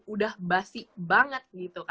udah basi banget